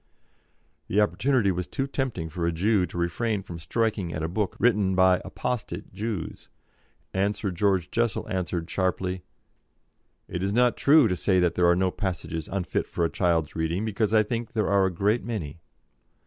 The opportunity was too tempting for a Jew to refrain from striking at a book written by apostate Jews, and Sir George Jessel answered sharply: "It is not true to say there are no passages unfit for a child's reading, because I think there are a great many."